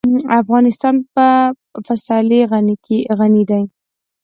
افغانستان په پسرلی غني دی.